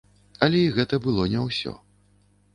Але і гэта было не ўсё.